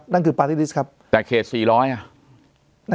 นั่นคือปาร์ติฤทธิศนะครับแต่เคส๔๐๐อ่ะ